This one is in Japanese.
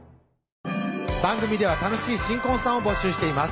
番組では楽しい新婚さんを募集しています